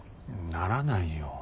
ならないよ。